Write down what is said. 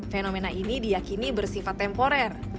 fenomena ini diakini bersifat temporer